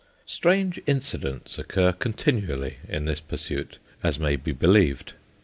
Strange incidents occur continually in this pursuit, as may be believed.